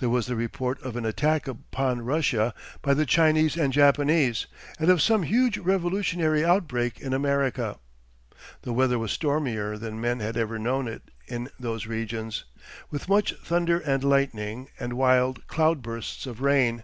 There was the report of an attack upon Russia by the Chinese and Japanese, and of some huge revolutionary outbreak in America. The weather was stormier than men had ever known it in those regions, with much thunder and lightning and wild cloud bursts of rain....